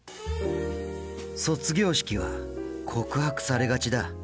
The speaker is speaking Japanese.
卒業式は告白されがちだ。